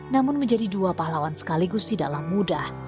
namun menjadi dua pahlawan sekaligus tidaklah mudah